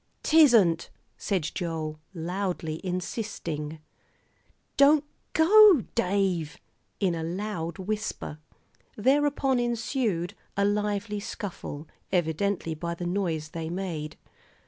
"'Tisn't," said Joel, loudly insisting. "Don't go, Dave," in a loud whisper. Thereupon ensued a lively scuffle, evidently, by the noise they made.